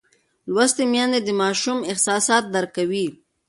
لوستې میندې د ماشوم احساسات درک کوي.